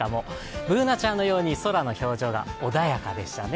Ｂｏｏｎａちゃんのように空の表情が穏やかでしたよね。